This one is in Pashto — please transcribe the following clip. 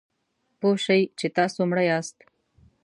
پوه شئ چې تاسو مړه یاست .